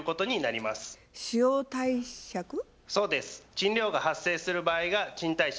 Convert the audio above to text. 賃料が発生する場合が賃貸借。